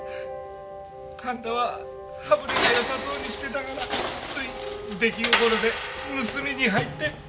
神田は羽振りがよさそうにしてたからつい出来心で盗みに入って。